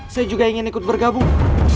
saya juga ingin ikut bergabung